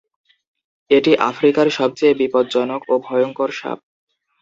এটি আফ্রিকার সবচেয়ে বিপজ্জনক ও ভয়ংকর সাপ।